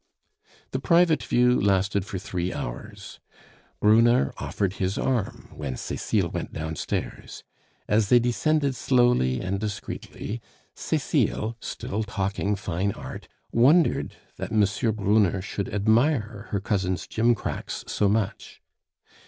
The private view lasted for three hours. Brunner offered his arm when Cecile went downstairs. As they descended slowly and discreetly, Cecile, still talking fine art, wondered that M. Brunner should admire her cousin's gimcracks so much.